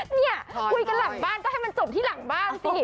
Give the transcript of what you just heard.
เนี่ยคุยกันหลังบ้านก็ให้มันจบที่หลังบ้านสิ